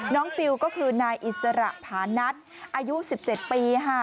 ฟิลก็คือนายอิสระผานัทอายุ๑๗ปีค่ะ